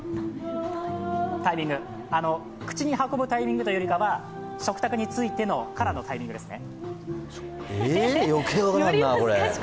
口に運ぶタイミングというより食卓についてからのタイミングですね。